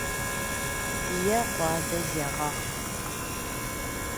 Екъу адэ, зегъэхь!